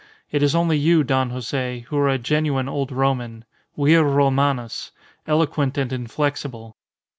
"It is only you, Don Jose, who are a genuine old Roman vir Romanus eloquent and inflexible."